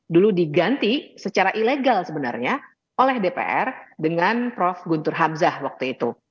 dulu diganti secara ilegal sebenarnya oleh dpr dengan prof guntur hamzah waktu itu